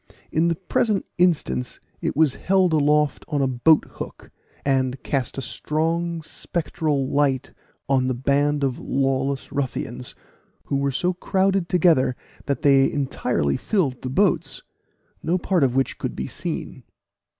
In the present instance it was held aloft on a boat hook, and cast a strong spectral light on the band of lawless ruffians, who were so crowded together that they entirely filled the boats, no part of which could be seen.